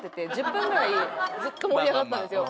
１０分ぐらいずっと盛り上がってたんですよ。